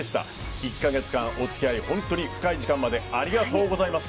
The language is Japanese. １か月間、お付き合い本当に深い時間までありがとうございます。